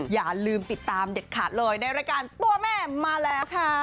อย่าลืมติดตามเด็ดขาดเลยในรายการตัวแม่มาแล้วค่ะ